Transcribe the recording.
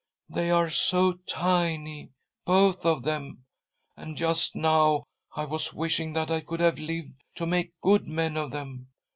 They are so tiny, both of them — and just now I was wishing that I could have lived to make good men of them.